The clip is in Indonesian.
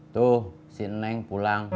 tuh si neng pulang